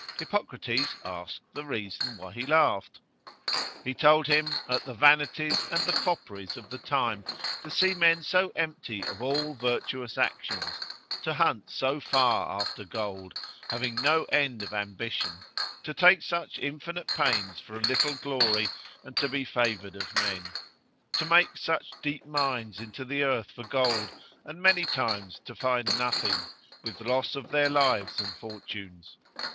Hippocrates asked the reason why he laughed. He told him, at the vanities and the fopperies of the time, to see men so empty of all virtuous actions, to hunt so far after gold, having no end of ambition; to take such infinite pains for a little glory, and to be favoured of men; to make such deep mines into the earth for gold, and many times to find nothing, with loss of their lives and fortunes.